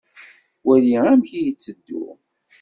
Wali amek i itteddu.